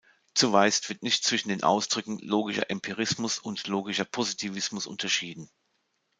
Zumeist wird nicht zwischen den Ausdrücken "logischer Empirismus" und "logischer Positivismus" unterschieden.